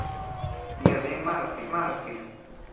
Diadema Argentina.